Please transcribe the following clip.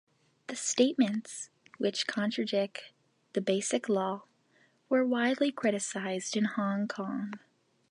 The statements, which contradict the Basic Law, were widely criticised in Hong Kong.